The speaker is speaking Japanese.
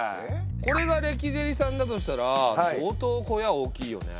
これがレキデリさんだとしたら相当小屋大きいよね。